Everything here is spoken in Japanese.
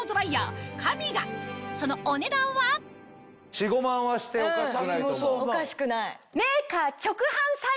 ４５万はしておかしくないと思う。